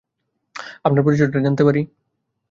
আপনার পরিচয়টা জানতে পারি?